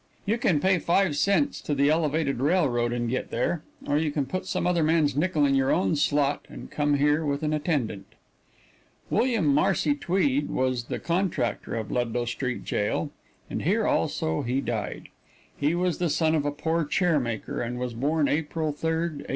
You can pay five cents to the Elevated Railroad and get here, or you can put some other man's nickel in your own slot and come here with an attendant. William Marcy Tweed was the contractor of Ludlow Street Jail, and here also he died. He was the son of a poor chair maker, and was born April 3, 1823.